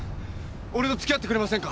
俺と付き合ってくれませんか？